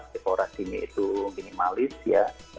dekorasi ini itu minimalis ya